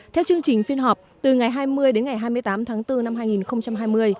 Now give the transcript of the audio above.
theo chương trình phiên họp từ ngày hai mươi đến ngày hai mươi tám tháng bốn năm hai nghìn hai mươi